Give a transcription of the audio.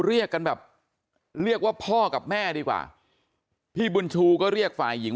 เรียกกันแบบเรียกว่าพ่อกับแม่ดีกว่าพี่บุญชูก็เรียกฝ่ายหญิง